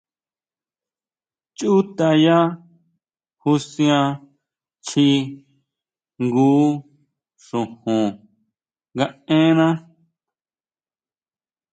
Chutʼaya jusian chji jngu xojon nga énna.